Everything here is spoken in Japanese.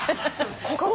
ここ？